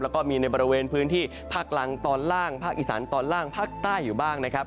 แล้วก็มีในบริเวณพื้นที่ภาคลังตอนล่างภาคอีสานตอนล่างภาคใต้อยู่บ้างนะครับ